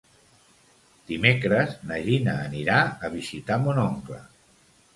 Dimecres na Gina anirà a visitar mon oncle.